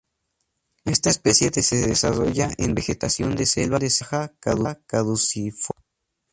Esta especie se desarrolla en vegetación de selva baja caducifolia.